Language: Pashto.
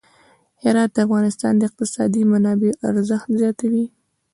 هرات د افغانستان د اقتصادي منابعو ارزښت زیاتوي.